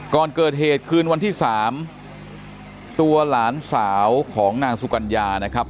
ก่อนเกิดเหตุคืนวันที่๓ตัวหลานสาวของนางสุกัญญานะครับ